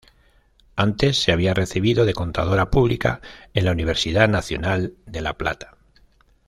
Antes se había recibido de Contadora Pública en la Universidad Nacional de La Plata.